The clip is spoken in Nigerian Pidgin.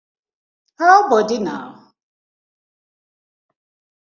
How bodi na?